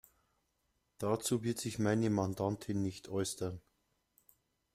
Dazu wird sich meine Mandantin nicht äußern.